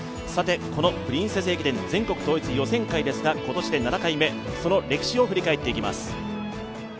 この「プリンセス駅伝」全国統一予選会ですが今年で７回目、その歴史を振り返っていきます。